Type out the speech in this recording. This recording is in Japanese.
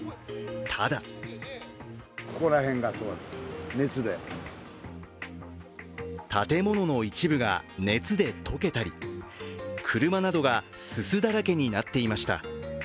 ただ建物の一部が熱で溶けたり車などがすすだらけになっていました。